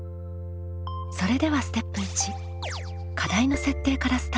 それではステップ１課題の設定からスタート。